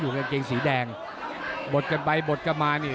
หรือว่าผู้สุดท้ายมีสิงคลอยวิทยาหมูสะพานใหม่